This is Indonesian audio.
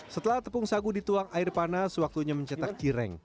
setelah tepung sagu dituang air panas waktunya mencetak cireng